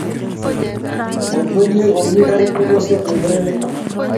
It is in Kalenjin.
Maikwerie komnyei karit chepyosok ku murenik